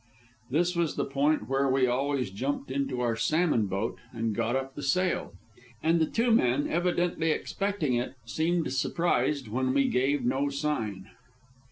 This was the point where we always jumped into our salmon boat and got up the sail, and the two men, evidently expecting it, seemed surprised when we gave no sign.